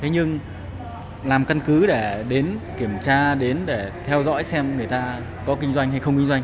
nhưng làm căn cứ để đến kiểm tra đến để theo dõi xem người ta có kinh doanh hay không kinh doanh